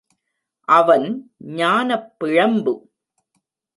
அவன் ஞானப் பிழம்பு.